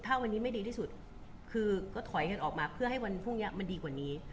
ถ้าวันนี้ไม่ดีที่สุดคือก็ถอยเงินออกมาเพื่อให้วันพรุ่งนี้มันดีกว่านี้